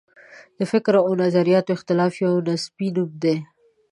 د فکر او نظریاتو اختلاف یو نصبي نوم دی.